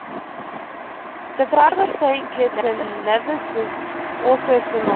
The Flag of Saint Kitts and Nevis is also similar.